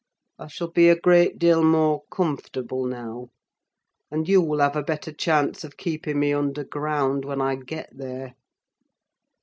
I shall be a great deal more comfortable now; and you'll have a better chance of keeping me underground, when I get there.